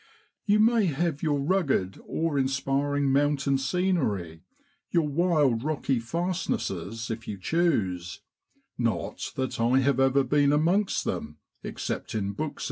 i You may have your rugged awe inspiring mountain scenery, your wild rocky fastnesses if you choose, not that I have ever been amongst them, except in books JUNE IN BROADLAND.